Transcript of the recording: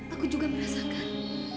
aku juga merasakan